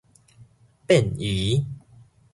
變移